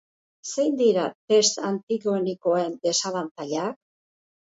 Zein dira test antigenikoen desabantailak?